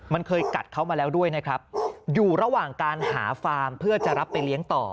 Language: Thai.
มันเคยกัดเขามาแล้วด้วยนะครับอยู่ระหว่างการหาฟาร์มเพื่อจะรับไปเลี้ยงต่อ